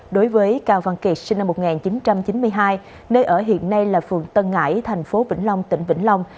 đối với cao văn kiệt sinh năm một nghìn chín trăm chín mươi hai nơi ở hiện nay là phường tân ngãi thành phố vĩnh long tỉnh vĩnh long